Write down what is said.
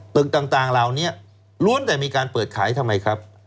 ตึกต่างเหล่านี้ล้วนแต่มีการเปิดขายทำไมครับ